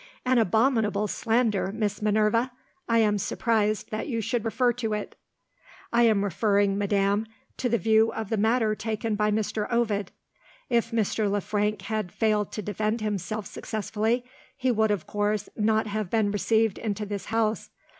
"An abominable slander, Miss Minerva! I am surprised that you should refer to it." "I am referring, madam, to the view of the matter taken by Mr. Ovid. If Mr. Le Frank had failed to defend himself successfully, he would of course not have been received into this house.